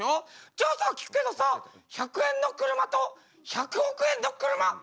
「じゃあさ聞くけどさ１００円の車と１００億円の車どっちが好き？」。